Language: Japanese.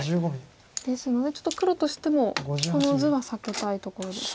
ですのでちょっと黒としてもこの図は避けたいところですか。